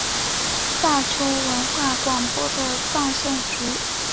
大邱文化广播的放送局。